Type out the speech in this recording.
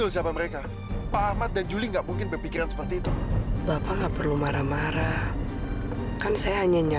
sampai jumpa di video selanjutnya